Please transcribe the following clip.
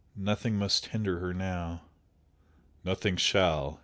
Nothing must hinder her now!" "Nothing shall!"